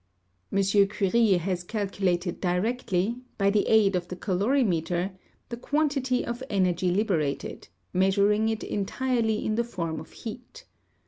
M. Curie has calculated directly, by the aid of the calorimeter, the quantity of energy liberated, measuring it entirely in the form of heat.